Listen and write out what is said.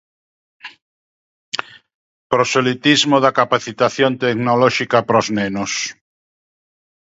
Proselitismo da capacitación tecnolóxica para os nenos.